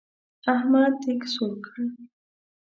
احمد دېګ سور کړ.